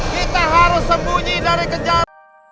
kita harus sembunyi dari kejar